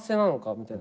みたいな。